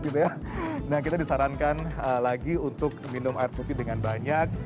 nah kita disarankan lagi untuk minum air putih dengan banyak